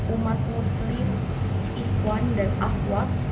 umat muslim ikhwan dan ahwa